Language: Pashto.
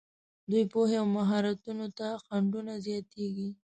دوی پوهې او مهارتونو ته خنډونه زیاتېږي.